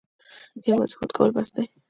یوازې هوډ کول بس دي؟